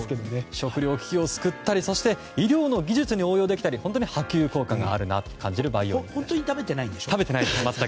食糧危機を救ったり医療の技術に応用できたり本当に波及効果があるなと感じる培養肉でした。